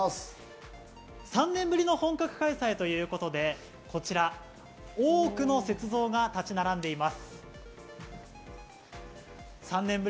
３年ぶりの本格開催ということで、こちら多くの雪像が立ち並んでいます。